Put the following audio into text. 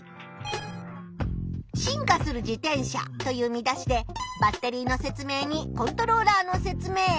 「進化する自転車」という見出しでバッテリーのせつ明にコントローラーのせつ明。